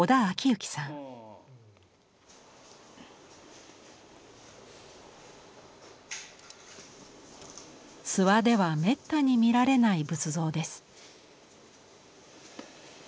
諏訪ではめったに見られない仏像です。